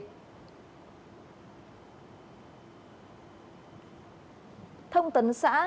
thông tin của tổng công ty cảng hàng không việt nam acv và khai thác